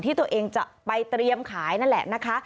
ที่ตัวเองจะไปเตรียมขายนั่นแหละนะคะ